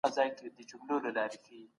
سياسي ځواک د دولتي ادارو له لارې کارول کېږي.